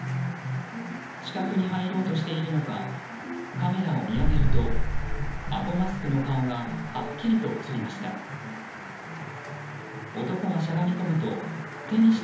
死角に入ろうとしているのかカメラを見上げるとあごマスクの顔がはっきりと映りました。